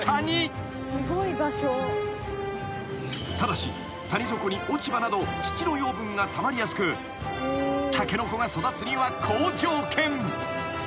［ただし谷底に落ち葉など土の養分がたまりやすくタケノコが育つには好条件］